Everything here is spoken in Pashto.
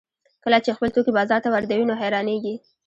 کله چې خپل توکي بازار ته واردوي نو حیرانېږي